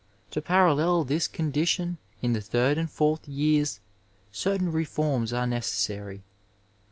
To parallel this condition in the third and fourth years certain reforms are necessary.